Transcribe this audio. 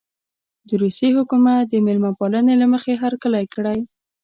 د روسیې حکومت د مېلمه پالنې له مخې هرکلی کړی.